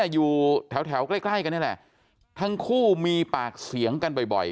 อยู่แถวใกล้ใกล้กันนี่แหละทั้งคู่มีปากเสียงกันบ่อย